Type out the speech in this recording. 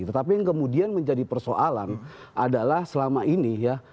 tetapi yang kemudian menjadi persoalan adalah selama ini ya